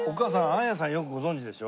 亜矢さんよくご存じでしょ？